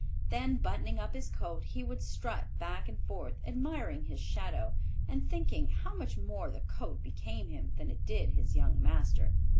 Then buttoning up his coat he would strut back and forth, admiring his shadow, and thinking how much more the coat became him than it did his young master.